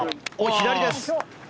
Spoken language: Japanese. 左です。